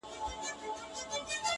• د بد زوی له لاسه ښه پلار ښکنځل کېږي ,